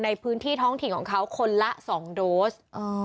ในพื้นที่ท้องถิ่นของเขาคนละ๒โดส